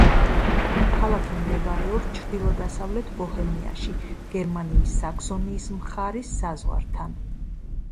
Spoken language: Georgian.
ქალაქი მდებარეობს ჩრდილო-დასავლეთ ბოჰემიაში, გერმანიის საქსონიის მხარის საზღვართან.